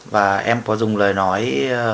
và em có dùng lời nói